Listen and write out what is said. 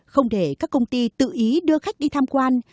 không để các công ty tự ý đưa khách đi tham quan